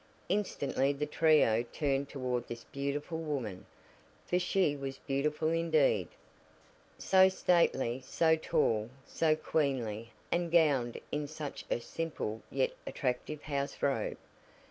Instantly the trio turned toward this beautiful woman, for she was beautiful indeed. So stately, so tall, so queenly, and gowned in such a simple yet attractive house robe.